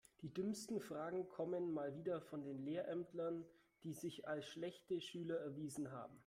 Die dümmsten Fragen kommen mal wieder von den Lehrämtlern, die sich als schlechte Schüler erwiesen haben.